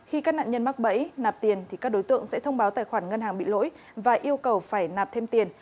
khi các nạn nhân mắc bẫy nạp tiền thì các đối tượng sẽ thông báo tài khoản ngân hàng bị lỗi và yêu cầu phải nạp thêm tiền